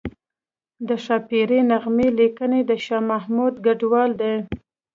د ښاپیرۍ نغمې لیکنه د شاه محمود کډوال ده